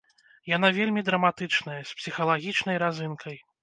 Яна вельмі драматычная, з псіхалагічнай разынкай.